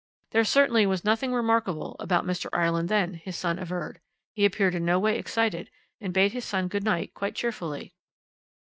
There certainly was nothing remarkable about Mr. Ireland then, his son averred; he appeared in no way excited, and bade his son good night quite cheerfully.